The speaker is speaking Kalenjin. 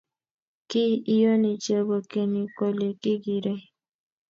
ki iyoni chebo keny kole kikirei